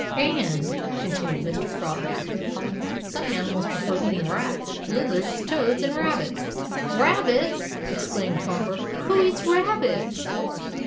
" and," continued Mr. Frog, after a pause, "some animals prefer eating rats, lizards, toads, and rabbits." "Rabbits!" exclaimed Bumper. "Who eats rabbits?"